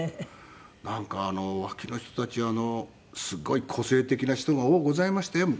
なんか脇の人たちすごい個性的な人が多うございまして昔。